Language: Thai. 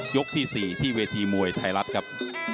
ที่๔ที่เวทีมวยไทยรัฐครับ